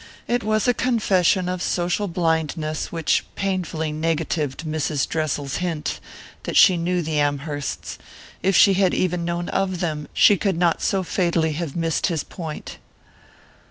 It was a confession of social blindness which painfully negatived Mrs. Dressel's hint that she knew the Amhersts; if she had even known of them, she could not so fatally have missed his point.